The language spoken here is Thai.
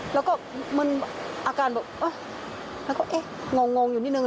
แล้วก็มันอาการแบบแล้วก็เอ๊ะงงอยู่นิดนึ